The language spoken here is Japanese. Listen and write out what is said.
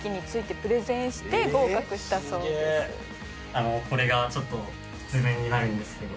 あのこれがちょっと図面になるんですけど。